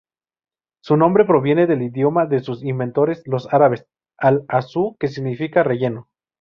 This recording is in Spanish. Su nombre proviene del idioma de sus inventores, los árabes, al-hasú que significa 'relleno'.